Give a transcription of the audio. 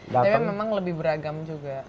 tapi memang lebih beragam juga